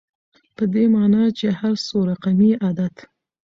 په دې معني چي هر څو رقمي عدد